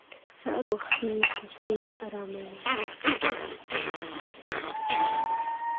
سهار وختي کوڅې ارامې وي